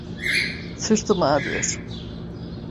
Sırtım ağrıyor.